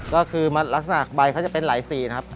ก็คือลักษณะใบเขาจะเป็นหลายสีนะครับ